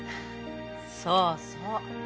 そうそう。